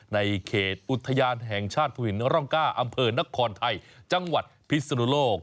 ในเขตอุทยานแห่งชาติภูหินร่องก้าอำเภอนครไทยจังหวัดพิศนุโลก